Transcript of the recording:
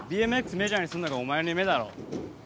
メジャーにすんのがお前の夢だろ？